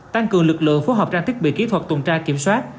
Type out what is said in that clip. tăng cường lực lượng phối hợp trang thiết bị kỹ thuật tuần tra kiểm soát